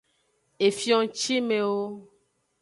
Efio ngcimewo.